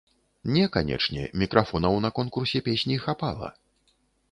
Не, канечне, мікрафонаў на конкурсе песні хапала.